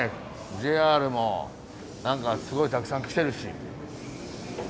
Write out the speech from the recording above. ＪＲも何かすごいたくさん来てるし。